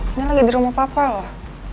ini lagi di rumah papa loh